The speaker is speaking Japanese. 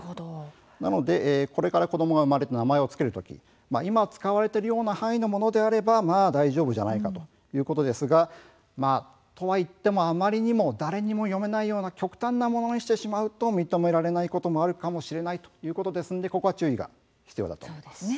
ただこれから子どもが生まれるという場合も、今使われている範囲のものであれば大丈夫じゃないかということですがとはいってもあまりにも誰にも読めないような極端なものにしてしまうと、認められないこともあるかもしれないということですので、ここは注意が必要だと思います。